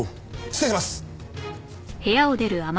失礼します！